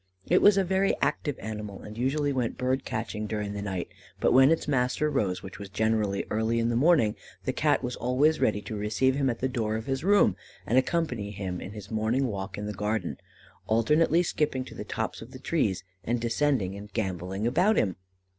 It was a very active animal, and usually went bird catching during the night; but when its master rose, which was generally early in the morning, the Cat was always ready to receive him at the door of his room, and accompany him in his morning walk in the garden, alternately skipping to the tops of the trees, and descending and gambolling about him.